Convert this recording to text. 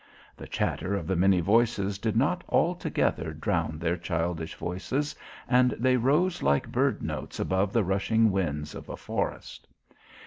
The chatter of the many voices did not altogether drown their childish voices and they rose like bird notes above the rushing winds of a forest.